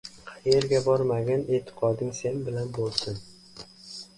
— Qayerga bormagin, e’tiqoding sen bilan bo‘lsin.